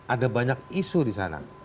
ada banyak isu disana